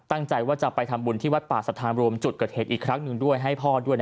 ตั้งใจว่าจะไปทำบุญที่วัดป่าสถานรวมจุดเกิดเหตุอีกครั้งหนึ่งด้วยให้พ่อด้วย